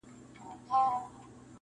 چي کیسې مي د ګودر د پېغلو راوړي -